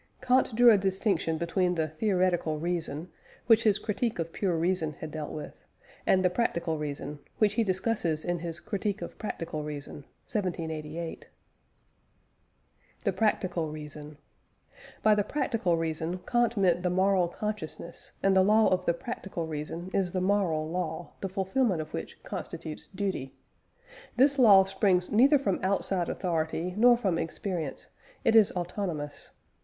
Kant drew a distinction between the "Theoretical Reason," which his Critique of Pure Reason had dealt with, and the "Practical Reason," which he discusses in his Critique of Practical Reason (1788). THE "PRACTICAL REASON." By the "practical reason" Kant meant the moral consciousness, and the law of the "practical reason" is the moral law, the fulfilment of which constitutes duty. This law springs neither from outside authority nor from experience; it is autonomous.